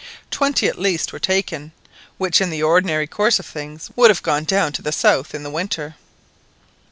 Twenty at least were taken, which in the ordinary course of things would have gone down to the south in the winter.